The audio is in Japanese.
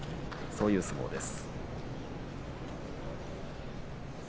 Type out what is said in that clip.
そういう相撲です。